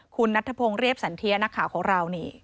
คุณนัทธพงศ์เรียบสันเทียนักข่าวของเรานี่